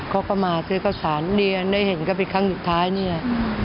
เขาก็มาซื้อข้าวสารเรียนได้เห็นก็เป็นครั้งสุดท้ายเนี่ย